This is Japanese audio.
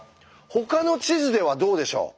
ほかの地図ではどうでしょう？